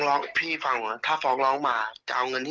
บ้านี่คือว่าทำตัวไม่ดี